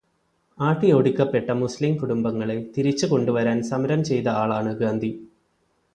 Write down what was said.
ആട്ടിയോടിക്കപ്പെട്ട മുസ്ലിം കുടുംബങ്ങളെ തിരിച്ച് കൊണ്ട് വരാന് സമരം ചെയ്ത ആളാണു ഗാന്ധി.